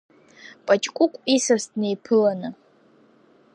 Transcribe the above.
Паҷкәыкә исас днеиԥыланы…